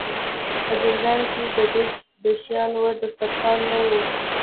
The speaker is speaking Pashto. په زندان کې د ده د شان وړ دسترخوان نه و.